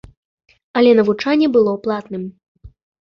Але навучанне было платным.